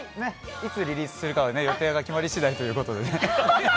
いつリリースするかは予定が決まり次第ということでね。